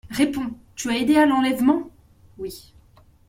Réponds : tu as aidé à l'enlèvement ? Oui.